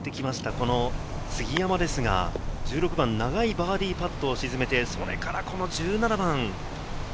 この杉山ですが１６番、長いバーディーパットを沈めて、それから１７番。